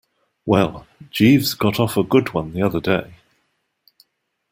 Well, Jeeves got off a good one the other day.